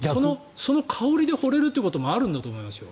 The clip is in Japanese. その香りで惚れるってこともあるんだと思いますよ。